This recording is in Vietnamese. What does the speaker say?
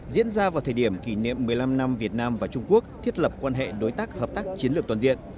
diễn ra vào thời điểm kỷ niệm một mươi năm năm việt nam và trung quốc thiết lập quan hệ đối tác hợp tác chiến lược toàn diện